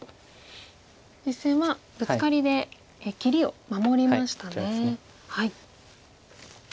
実戦はブツカリで切りを守りましたね。